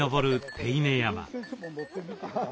手稲山。